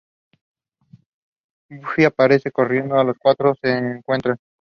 Buffy aparece corriendo y los cuatro se encuentran.